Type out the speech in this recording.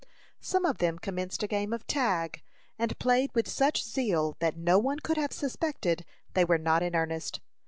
Some of them commenced a game of "tag," and played with such zeal that no one could have suspected they were not in earnest.